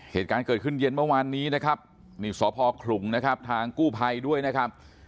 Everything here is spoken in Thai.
เหตุการณ์เกิดขึ้นเย็นเมื่อวานนี้นะครับนี่สพขลุงนะครับทางกู้ภัยด้วยนะครับ